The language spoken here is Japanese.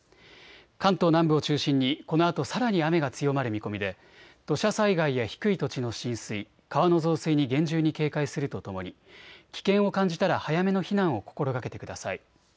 関東南部を中心にこのあとさらに雨が強まる見込みで土砂災害や低い土地の浸水、川の増水に厳重に警戒するとともに危険を感じたら早めの避難を心がけてください。